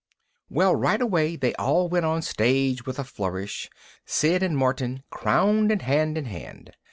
_ Well, right away they all went on stage with a flourish, Sid and Martin crowned and hand in hand.